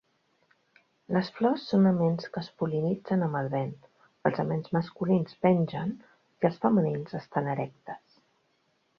Les flors són aments que es pol·linitzen amb el vent, els aments masculins pengen i els femenins estan erectes.